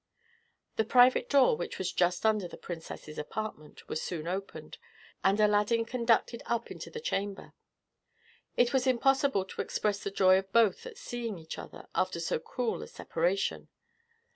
The private door, which was just under the princess's apartment, was soon opened, and Aladdin conducted up into the chamber. It is impossible to express the joy of both at seeing each other after so cruel a separation.